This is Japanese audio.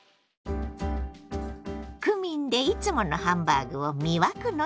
クミンでいつものハンバーグを魅惑の一皿に。